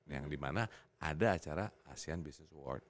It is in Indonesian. yang dimana ada acara asean business award